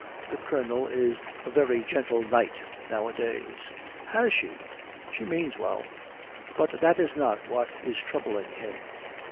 The Colonel is a very gentle knight nowadays. 'Has she? She means well.' But that is not what is troubling him.